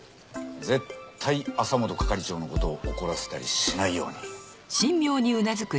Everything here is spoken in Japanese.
絶対朝本係長のことを怒らせたりしないように。